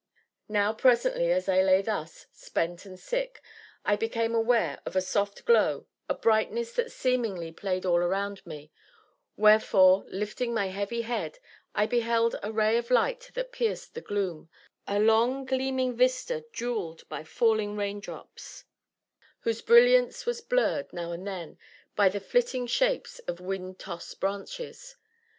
Now presently, as I lay thus, spent and sick, I became aware of a soft glow, a brightness that seemingly played all around me, wherefore, lifting my heavy head, I beheld a ray of light that pierced the gloom, a long, gleaming vista jewelled by falling raindrops, whose brilliance was blurred, now and then, by the flitting shapes of wind tossed branches.